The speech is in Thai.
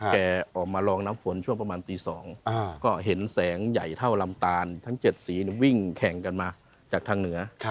แกออกมาลองน้ำฝนช่วงประมาณตี๒ก็เห็นแสงใหญ่เท่าลำตาลทั้ง๗สีวิ่งแข่งกันมาจากทางเหนือ